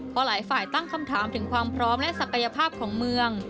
เพราะหลายฝ่ายตั้งคำถามถึงความพร้อมและศักยภาพของเมือง